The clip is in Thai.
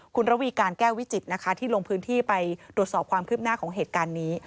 คุณระวีการแก้ววิจิตรนะคะที่ลงพื้นที่ไปตรวจสอบความคืบหน้าของเหตุการณ์นี้